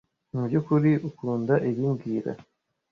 Mubyukuri ukunda ibi mbwira